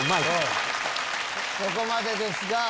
そこまでですが。